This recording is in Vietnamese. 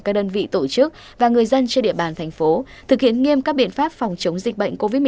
các đơn vị tổ chức và người dân trên địa bàn thành phố thực hiện nghiêm các biện pháp phòng chống dịch bệnh covid một mươi chín